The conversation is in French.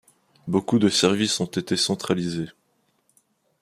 Beaucoup de services ont été centralisés.